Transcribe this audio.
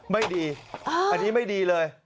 ไม่ดีอันนี้ไม่ดีเลย